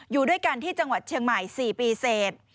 อยู่ด้วยกันที่จังหวัดเชียงใหม่๔ปีเสร็จ